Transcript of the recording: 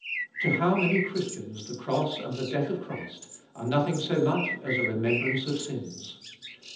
To how many Christians the cross and the death of Christ are nothing so much as a remembrance of sins.